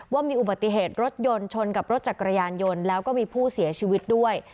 ว่ามีอุบัติเหตุรถยนต์ชนกับรถจักรยานยนต์แล้วก็มีผู้เสียชีวิตด้วย